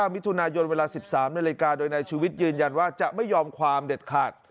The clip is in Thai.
วิทยุนายนเวลา๑๓ในรายการโดยในชีวิตยืนยันว่าจะไม่ยอมความเด็ดขาด